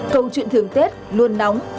câu chuyện thưởng tết luôn nóng